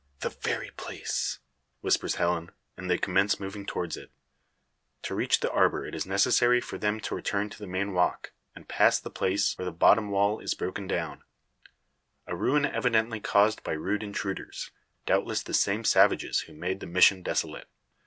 "The very place," whispers Helen; and they commence moving towards it. To reach the arbour it is necessary for them to return to the main walk, and pass the place where the bottom wall is broken down; a ruin evidently caused by rude intruders, doubtless the same savages who made the mission desolate.